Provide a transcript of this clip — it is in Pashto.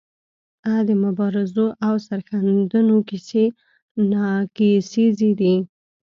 د مبارزو او سرښندنو کیسې ناکیسیزې دي.